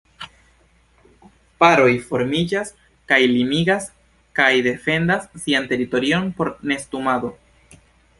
Paroj formiĝas kaj limigas kaj defendas sian teritorion por nestumado.